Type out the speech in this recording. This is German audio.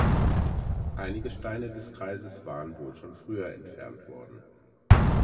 Einige Steine des Kreises waren wohl schon früher entfernt worden.